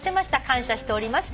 感謝しております」